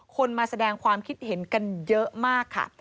มาแสดงความคิดเห็นกันเยอะมากค่ะ